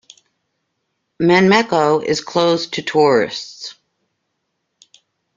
Menmecho is closed to tourists.